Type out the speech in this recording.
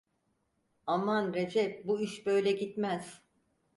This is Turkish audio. Aman Recep, bu iş böyle gitmez.